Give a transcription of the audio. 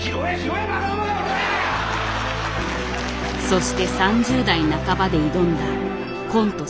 そして３０代半ばで挑んだコント